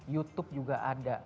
youtube juga ada